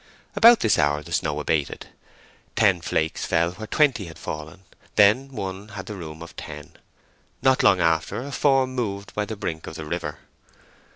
About this hour the snow abated: ten flakes fell where twenty had fallen, then one had the room of ten. Not long after a form moved by the brink of the river.